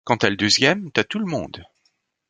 Quand t’as le deuxième, t’as tout le monde.